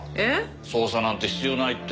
捜査なんて必要ないって。